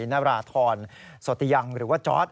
นรธอนสติยังหรือว่าจอส